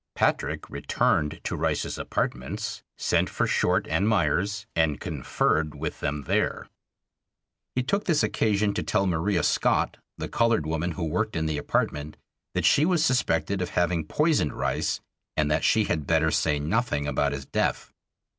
Patrick returned to Rice's apartments, sent for Short and Meyers, and conferred with them there. He took this occasion to tell Maria Scott, the colored woman who worked in the apartment, that she was suspected of having poisoned Rice, and that she had better say nothing about his death.